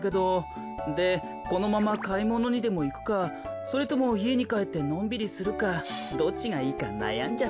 でこのままかいものにでもいくかそれともいえにかえってのんびりするかどっちがいいかなやんじゃって。